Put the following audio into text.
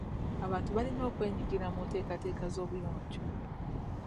Abantu balina okwenyigiranga mu nteekateeka z'obuyonjo.